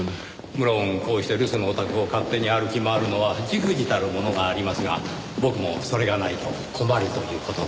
無論こうして留守のお宅を勝手に歩き回るのは忸怩たるものがありますが僕もそれがないと困るという事で。